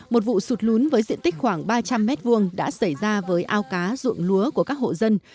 một vụ sụt lún với diện tích khoảng ba trăm linh m hai đã xảy ra với ao cá ruộng lúa của các hộ dân